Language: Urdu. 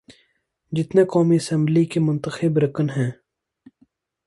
جتنے قومی اسمبلی کے منتخب رکن ہیں۔